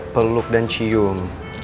peluk dan cium